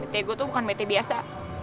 bete gue tuh bukan bete biasa